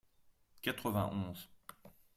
quatre-vingt onze.